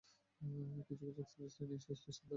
কিছু express train এই স্টেশনে দাঁড়ায়।